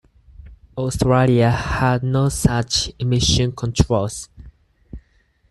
Australia had no such emission controls.